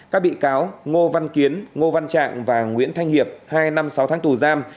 các bị cáo ngô văn kiến ngô văn trạng và nguyễn thanh hiệp hai năm sáu tháng tù giam